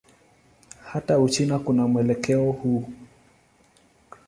Hata Uchina kuna mwelekeo huu.